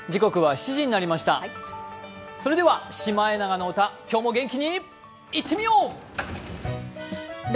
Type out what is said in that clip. それでは「シマエナガの歌」今日も元気にいってみよう。